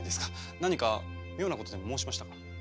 何か妙な事でも申しましたか。